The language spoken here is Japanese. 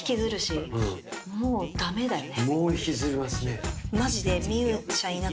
もう駄目だよね。